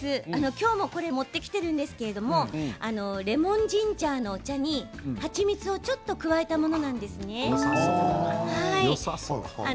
今日も持ってきているんですけれどレモンジンジャーのお茶に蜂蜜をちょっと加えたものよさそう。